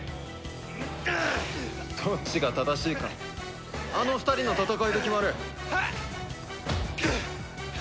どっちが正しいかあの２人の戦いで決まる。